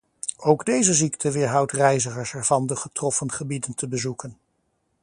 Ook deze ziekte weerhoudt reizigers ervan de getroffen gebieden te bezoeken.